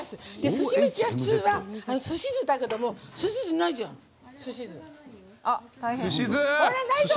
すし飯は普通すし酢だけれどもすし酢がないじゃん！ないぞ！